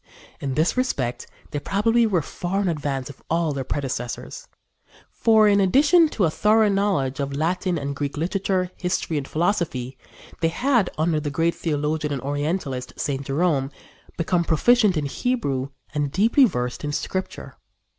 In this respect they probably were far in advance of all their predecessors. For, in addition to a thorough knowledge of Latin and Greek literature, history and philosophy, they had, under the great theologian and orientalist, St. Jerome, become proficient in Hebrew and deeply versed in Scripture.